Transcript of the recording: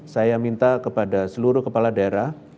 saya minta kepada seluruh kepala daerah